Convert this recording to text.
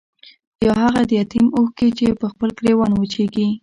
يا هاغه د يتيم اوښکې چې پۀ خپل ګريوان وچيږي